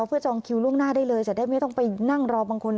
เพื่อจองคิวล่วงหน้าได้เลยจะได้ไม่ต้องไปนั่งรอบางคน